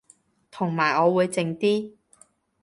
同埋我會靜啲